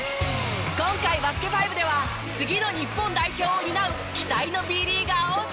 今回『バスケ☆ＦＩＶＥ』では次の日本代表を担う期待のＢリーガーを紹介！